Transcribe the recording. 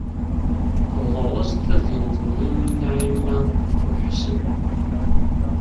Tbedreḍ-as-d tadyant-nni i Naɛima u Ḥsen.